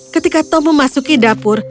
ketika tom memasuki dapur